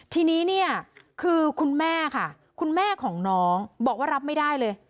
ทีนี้คือคุณแม่ของน้องบอกว่ารับไม่ได้เลย